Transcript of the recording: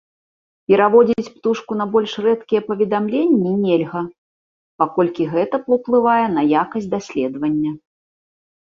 Пераводзіць птушку на больш рэдкія паведамленні нельга, паколькі гэта паўплывае на якасць даследавання.